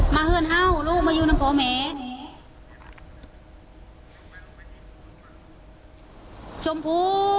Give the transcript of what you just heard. มาเดินเข้ารู้ไม่ยุณของแหมจมปุ